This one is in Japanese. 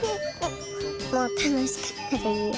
もうたのしかった。